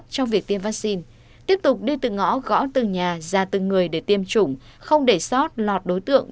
trong việc tiêm vaccine tiếp tục đi từ ngõ gõ từng nhà ra từng người để tiêm chủng không để sót lọt đối tượng